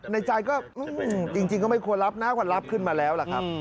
ในใจก็จริงก็ไม่ควรรับน่ากว่ารับขึ้นมาแล้ว